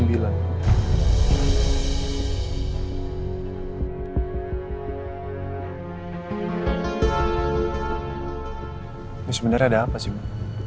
ini sebenarnya ada apa sih mbak